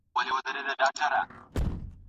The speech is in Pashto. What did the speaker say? زموږ خویندې سیه پوشې دي له غمه